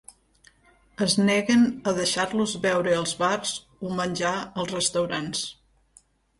Es neguen a deixar-los beure als bars o menjar als restaurants.